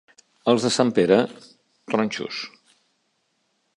Els de Sant Pere, tronxos.